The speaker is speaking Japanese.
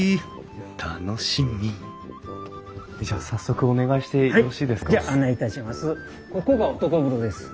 楽しみじゃあ早速お願いしてよろしいですか？